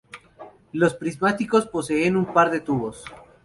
Los prismáticos poseen un par de tubos.